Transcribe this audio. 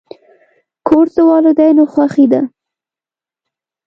کورس د والدینو خوښي ده.